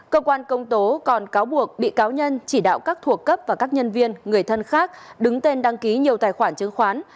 cơ quan công tố còn cáo buộc bị cáo nhân chỉ đạo các thuộc cấp và các nhân viên người thân khác đứng tên đăng ký nhiều tài khoản chứng khoán